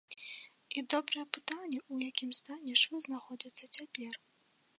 І добрае пытанне, у якім стане швы знаходзяцца цяпер.